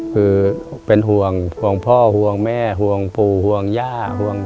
คือเป็นห่วงห่วงพ่อห่วงแม่ห่วงปู่ห่วงย่าห่วง